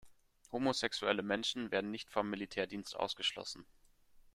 Homosexuelle Menschen werden nicht vom Militärdienst ausgeschlossen.